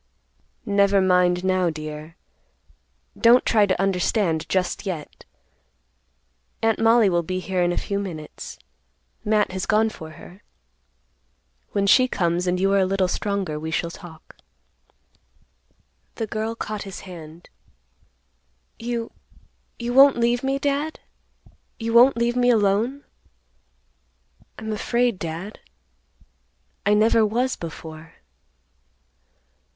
"Never mind, now, dear. Don't try to understand just yet. Aunt Mollie will be here in a few minutes. Matt has gone for her. When she comes and you are a little stronger, we shall talk." The girl caught his hand; "You—you won't leave me, Dad? You won't leave me alone? I'm afraid, Dad. I never was before."